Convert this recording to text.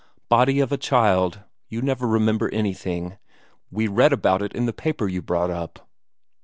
"Body of a child. You never remember anything. We read about it in the paper you brought up."